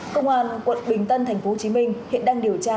công an quận bình tân tp hcm hiện đang điều tra